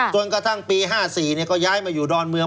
จนกระทั่งปี๕๔ก็ย้ายมาอยู่ดอนเมือง